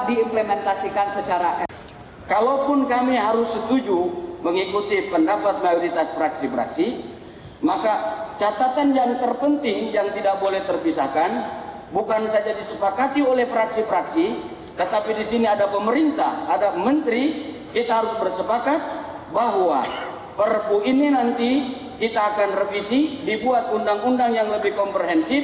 diimplementasikan secara eksekutif